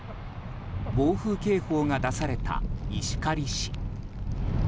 暴風警報が出された石狩市。